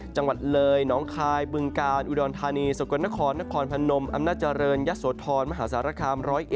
จังหวัดเลยน้องคายบึงกาลอุดรธานีสกลนครนครพนมอำนาจเจริญยะโสธรมหาสารคาม๑๐๑